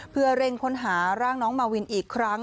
เพื่อเร่งค้นหาร่างน้องมาวินอีกครั้ง